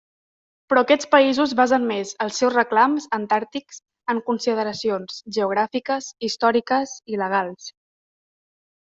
Però aquests països basen més els seus reclams antàrtics en consideracions geogràfiques, històriques i legals.